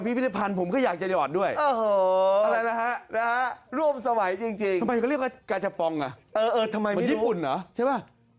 พี่กุยอะไรกันล่ะคะ